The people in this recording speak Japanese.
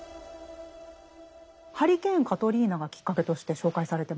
ハリケーン・カトリーナがきっかけとして紹介されてましたね。